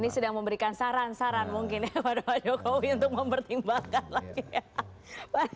ini sudah memberikan saran saran mungkin ya pak jokowi untuk mempertimbangkan lagi ya